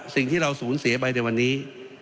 สิ่งที่เราสูญเสียไปในวันนี้